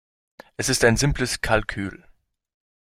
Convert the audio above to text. Es ist ein simples Kalkül.